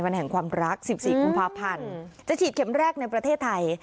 แห่งความรัก๑๔กุมภาพันธ์จะฉีดเข็มแรกในประเทศไทย